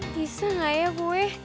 bisa gak ya gue